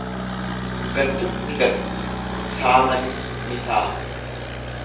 Gantun ni gata, saamanis ni saama.